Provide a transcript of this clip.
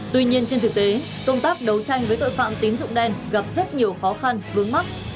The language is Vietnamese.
tuy nhiên trên thực tế công tác đấu tranh với tội phạm tín dụng đen gặp rất nhiều khó khăn vướng mắt